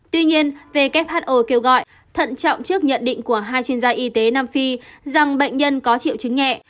tuy nhiên who kêu gọi thận trọng trước nhận định của hai chuyên gia y tế nam phi rằng bệnh nhân có triệu chứng nhẹ